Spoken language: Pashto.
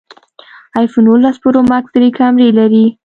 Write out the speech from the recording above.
ایفون اوولس پرو ماکس درې کمرې لري